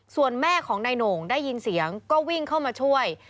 ส่วนแม่ของนายโหน่งได้ยินเสียงก็วิ่งเข้ามาช่วย